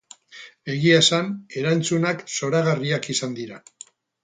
Egia esan, erantzunak zoragarriak izan dira.